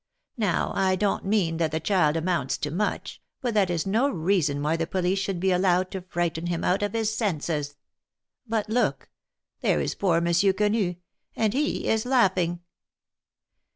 Now I don't mean that the child amounts to much, but that is no reason why the police should be allowed to frighten him out of his senses. But look ! there is poor Monsieur Quenu, and he is laughing